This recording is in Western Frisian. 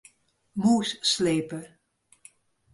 Mûs slepe.